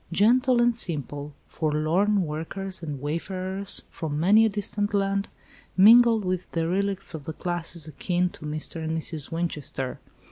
"Gentle and simple," forlorn workers and wayfarers from many a distant land, mingled with derelicts of the classes akin to "Mr. and Mrs. Winchester."